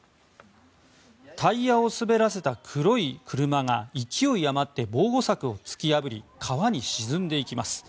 タイヤを滑らせた黒い車が勢い余って防護柵を突き破り川に沈んでいきます。